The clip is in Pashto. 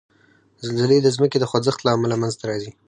زلزلې د ځمکې د خوځښت له امله منځته راځي.